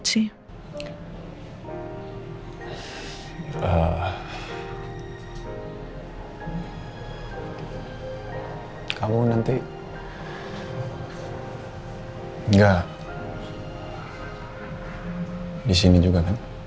lebih baik di hungenit juga